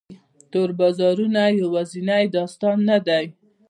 تور بازارونه یوازینی داستان نه دی.